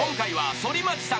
反町さん。